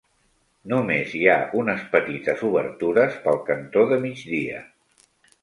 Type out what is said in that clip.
Només hi ha unes petites obertures pel cantó de migdia.